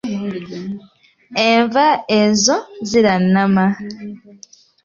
Enva ezo zirannama.